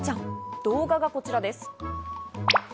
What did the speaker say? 動画がこちらです。